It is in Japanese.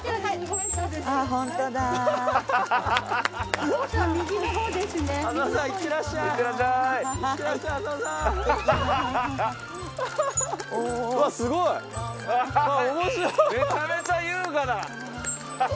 めちゃめちゃ優雅だ。